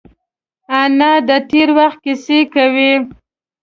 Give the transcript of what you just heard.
انا د تېر وخت کیسې کوي